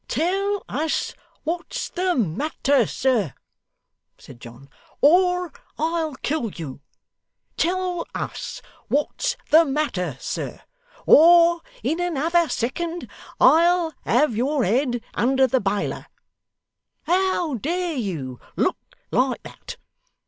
'Tell us what's the matter, sir,' said John, 'or I'll kill you. Tell us what's the matter, sir, or in another second I'll have your head under the biler. How dare you look like that?